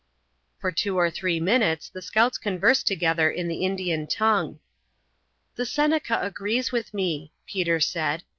For two or three minutes the scouts conversed together in the Indian tongue. "The Seneca agrees with me," Peter said.